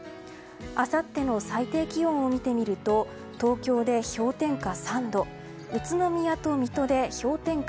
あさっての最低気温を見ると東京で氷点下３度宇都宮と水戸で氷点下